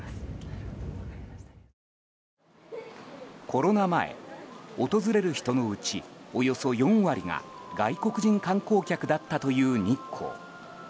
コロナ前、訪れる人のうちおよそ４割が外国人観光客だったという日光。